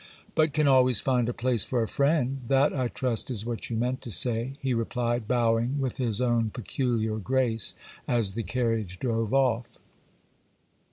'But can always find a place for a friend; that, I trust, is what you meant to say,' he replied, bowing with his own peculiar grace as the carriage drove off.